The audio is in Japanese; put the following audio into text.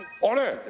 あれ？